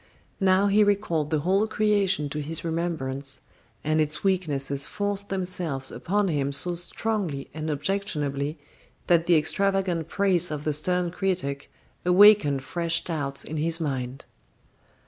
Now he recalled the whole creation to his remembrance, and its weaknesses forced themselves upon him so strongly and objectionably that the extravagant praise of the stern critic awakened fresh doubts in his mind.